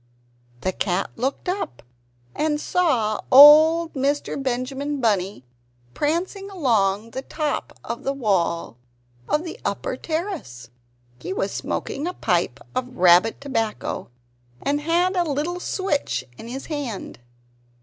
The cat looked up and saw old Mr. Benjamin Bunny prancing along the top of the wall of the upper terrace. He was smoking a pipe of rabbit tobacco, and had a little switch in his hand.